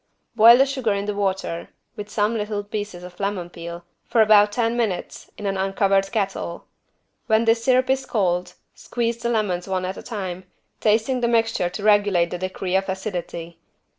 Boil the sugar in the water, with some little pieces of lemon peel, for about ten minutes, in an uncovered kettle. When this syrup is cold, squeeze the lemons one at the time, tasting the mixture to regulate the degree of acidity.